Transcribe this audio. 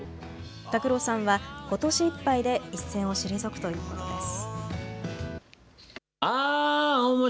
拓郎さんはことしいっぱいで一線を退くということです。